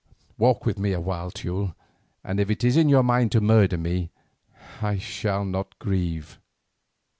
Walk with me a while, Teule, and if it is in your mind to murder me I shall not grieve."